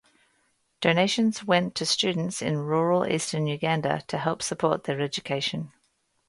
Donations went to students in rural eastern Uganda to help support their education.